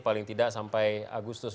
paling tidak sampai agustus